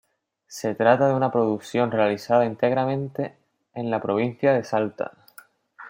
Se trata de una producción realizada íntegramente en la provincia de Salta.